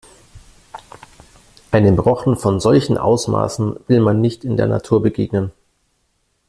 Einem Rochen von solchen Ausmaßen will man nicht in der Natur begegnen.